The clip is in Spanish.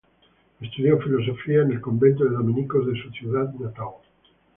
Estudió filosofía en el convento de dominicos de su ciudad natal.